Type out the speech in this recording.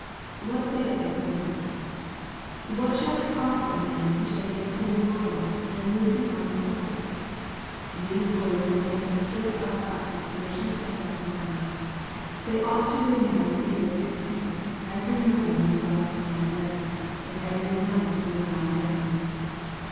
What saith our Lord ?" What shall it profit a man if he shall gain the whole world, and lose his own soul ?" These words were meant to stir us up to exertion and self denial. They ought to ring in our ears like a trumpet, every morning when we rise from our beds, and every night when we lie down.